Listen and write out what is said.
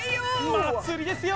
祭りですよ！